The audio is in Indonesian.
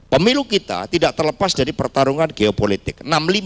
pemilu kita tidak terlepas dari pertarungan geopolitik